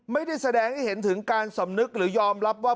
ไม่ได้แสดงให้เห็นถึงการสำนึกหรือยอมรับว่า